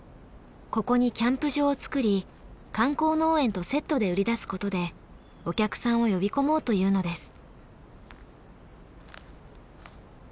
ここにキャンプ場をつくり観光農園とセットで売り出すことでお客さんを呼び込もうというのです。